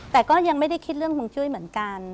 แต่ก็ยังไม่ได้คิดเรื่องห่วงจุ้ยเหมือนกัน